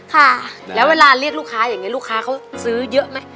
ค่ะแล้วเวลาเรียกลูกค้าอย่างนี้ลูกค้าเขาซื้อเยอะไหม